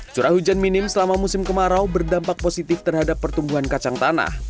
curah hujan minim selama musim kemarau berdampak positif terhadap pertumbuhan kacang tanah